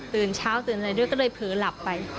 ตื่นเช้าตื่นอะไรด้วยก็เลยเผลอหลับไป